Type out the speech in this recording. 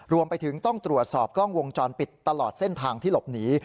รวมไปถึงต้องตรวจสอบกล้องวงจรปิดตลอดเส้นทางที่หลบหนี